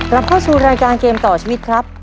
รับเข้าสู่รายการเกมต่อชีวิตครับ